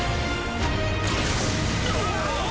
うわ！